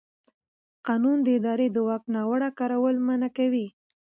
قانون د ادارې د واک ناوړه کارول منع کوي.